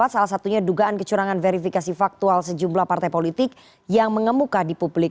salah satunya dugaan kecurangan verifikasi faktual sejumlah partai politik yang mengemuka di publik